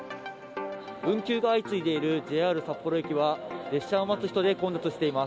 運休が相次いでいるＪＲ札幌駅では、列車を待つ人で混雑しています。